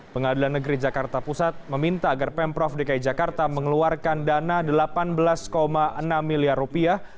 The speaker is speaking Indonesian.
pengadilan negeri jakarta pusat meminta agar pemprov dki jakarta mengeluarkan dana delapan belas enam miliar rupiah